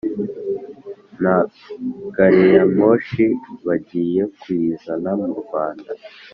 Na gareyamoshi bagiye kuyizana mu Rwanda